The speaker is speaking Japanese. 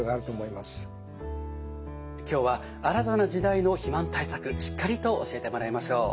今日は新たな時代の肥満対策しっかりと教えてもらいましょう。